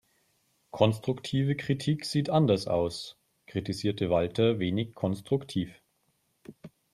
"Konstruktive Kritik sieht anders aus", kritisierte Walter wenig konstruktiv.